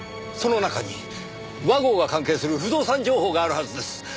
その中に和合が関係する不動産情報があるはずです。